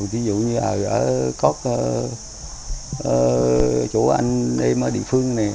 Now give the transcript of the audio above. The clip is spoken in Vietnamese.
ví dụ như ở có chỗ anh em ở địa phương này